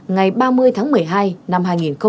ngày ba mươi tháng một mươi hai năm hai nghìn một mươi ba